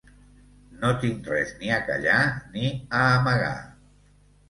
No tinc res ni a callar ni a amagar.